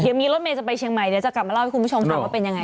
เดี๋ยวมีรถเมย์จะไปเชียงใหม่เดี๋ยวจะกลับมาเล่าให้คุณผู้ชมฟังว่าเป็นยังไง